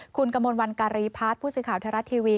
คุณกระมวลวันการีพาสผู้ซื้อข่าวทรัฐทีวี